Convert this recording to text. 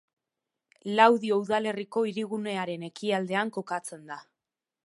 Laudio udalerriko hirigunearen ekialdean kokatzen da.